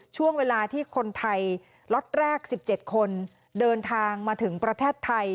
ช่วงเวลาที่คนไทยล็อตแรก๑๗คนเดินทางมาถึงประเทศไทย